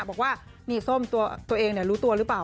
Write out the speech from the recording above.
บอกว่านี่ส้มตัวเองรู้ตัวหรือเปล่า